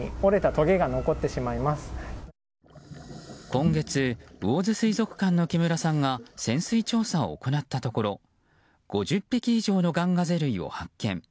今月、魚津水族館の木村さんが潜水調査を行ったところ５０匹以上のガンガゼ類を発見。